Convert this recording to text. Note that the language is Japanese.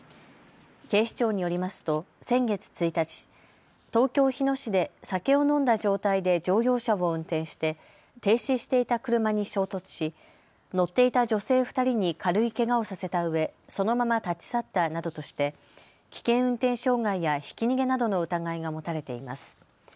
警視庁によりますと先月１日、東京日野市で酒を飲んだ状態で乗用車を運転して停止していた車に衝突し乗っていた女性２人に軽いけがをさせたうえそのまま立ち去ったなどとして危険運転傷害やひき逃げなどの疑いが持たれています。